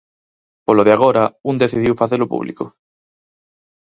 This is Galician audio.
Polo de agora un decidiu facelo público.